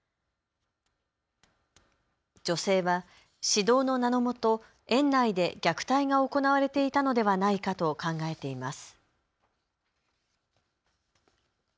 女性は指導の名のもと園内で虐待が行われていたのではないかと考えています。